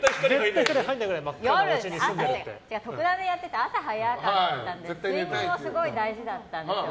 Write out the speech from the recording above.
「とくダネ！」をやっていて朝が早かったんで睡眠がすごい大事だったんですよ。